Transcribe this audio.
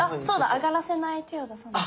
あがらせない手を出さないと。